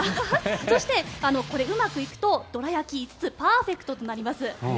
そして、うまくいくとどら焼き５つパーフェクトとなります。